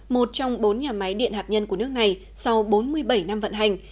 một trong bốn nhà máy điện hạt nhân của nước này sau bốn mươi bảy năm vận hành